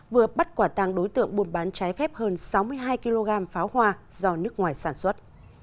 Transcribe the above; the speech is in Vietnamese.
vừa bắt quả tàng đối tượng buôn bán trái phép hơn sáu mươi hai kg pháo hoa do nước ngoài sản xuất